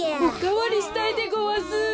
おかわりしたいでごわす！